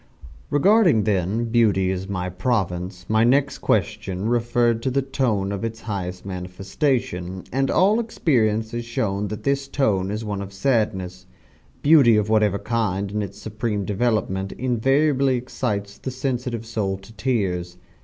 Regarding, then, Beauty as my province, my next question referred to the tone of its highest manifestation and all experience has shown that this tone is one of sadness. Beauty of whatever kind in its supreme development invariably excites the sensitive soul to tears.